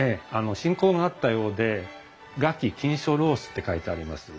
親交があったようで「臥起弄琴書」って書いてあります。